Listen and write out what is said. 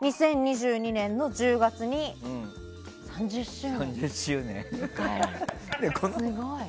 で、２０２２年の１０月に３０周年を迎えるすごい！